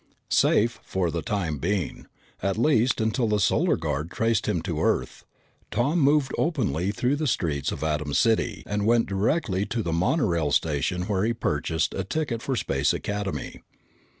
Safe for the time being, at least until the Solar Guard traced him to Earth, Tom moved openly through the streets of Atom City and went directly to the monorail station where he purchased a ticket for Space Academy.